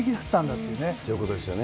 ということですよね。